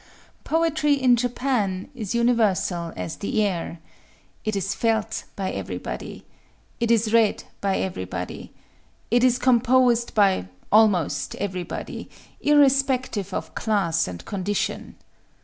Poetry in Japan is universal as the air. It is felt by everybody. It is read by everybody. It is composed by almost everybody,—irrespective of class and condition.